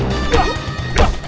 duh duh duh